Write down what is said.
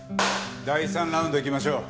第３ラウンドいきましょう。